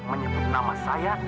menyebut nama saya